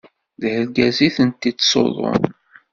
D argaz i tent-ittṣuḍun.